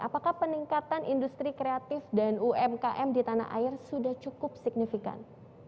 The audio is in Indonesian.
apakah peningkatan industri kreatif dan umkm di tanah air sudah cukup signifikan